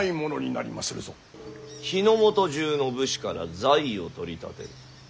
日本中の武士から財を取り立てる。